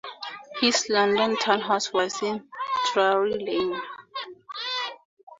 His London townhouse was in Drury Lane.